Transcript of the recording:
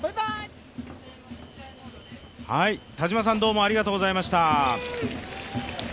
田島さんありがとうございました。